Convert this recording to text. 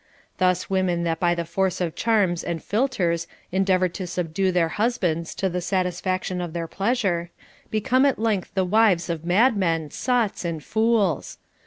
Thus women that by the force of charms and philters endeavor to subdue their husbands to the satisfaction of their pleas ure become at length the wives of madmen, sots, and fools.